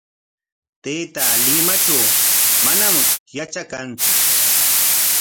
Taytaa Limatraw manam yatrakantsu.